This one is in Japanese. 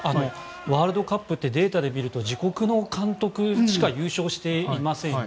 ワールドカップってデータで見ると自国の監督しか優勝していませんよね。